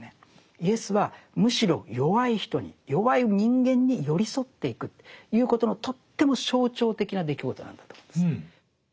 イエスはむしろ弱い人に弱い人間に寄り添っていくということのとっても象徴的な出来事なんだと思うんですね。